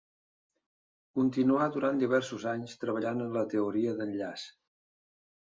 Continuà durant diversos anys treballant en la teoria d'enllaç.